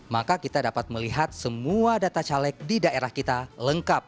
maka kita dapat melihat semua data caleg di daerah kita lengkap